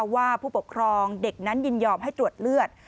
ผู้ปกครองเด็กนั้นยินยอมให้ตรวจเลือด